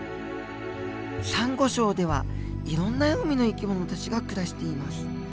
サンゴ礁ではいろんな海の生き物たちが暮らしています。